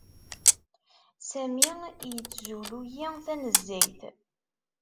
Sami yettzulu-iyi tanezzayt.